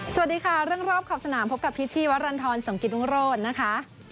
สวัสดีค่ะเรื่องรอบขอบสนามพบกับพิษชีวรรณฑรสมกิตรุงโรธนะคะ